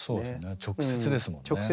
直接ですもんね。